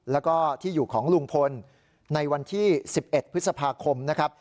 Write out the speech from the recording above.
แล้วก็ที่อยู่ของลุงพลในวันที่๑๑พฤษภาคมนะครับ